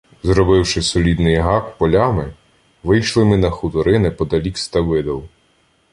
Зробивши солідний гак полями, вийшли ми на хутори неподалік Ставидел.